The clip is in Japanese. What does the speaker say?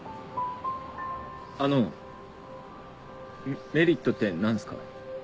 あの「メリット」って何すか？